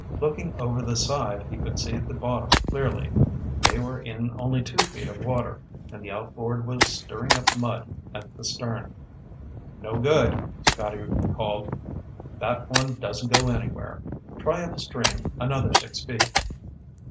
Looking over the side, he could see the bottom clearly. They were in only two feet of water, and the outboard was stirring up mud at the stern. "No good," Scotty called. "That one doesn't go anywhere. Try upstream another six feet."